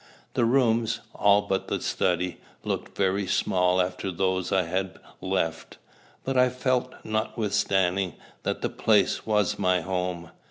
The rooms, all but the study, looked very small after those I had left; but I felt, notwithstanding, that the place was my home.